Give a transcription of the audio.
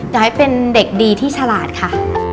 อยากให้เป็นเด็กดีที่ฉลาดค่ะ